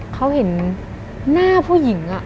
เขาเห็นหน้าผู้หญิง